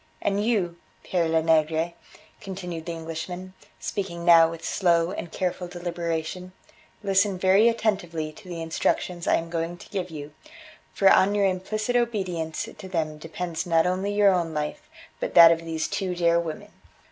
"And you, Pere Lenegre," continued the Englishman, speaking now with slow and careful deliberation, "listen very attentively to the instructions I am going to give you, for on your implicit obedience to them depends not only your own life but that of these two dear women.